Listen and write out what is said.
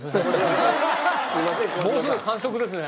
もうすぐ完食ですね。